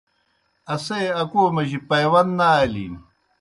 اسے اکو مجیْ پَائیون نہ آلِن۔